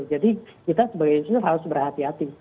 jadi kita sebagai user harus berhati hati